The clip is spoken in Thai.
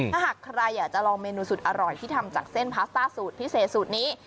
ถ้าหากใครอยากจะลองเมนูสุดอร่อยที่ทำจากเส้นพาสต้าสูตรพิเศษสูตรนี้